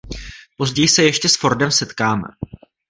Později se ještě s Fordem setkáme.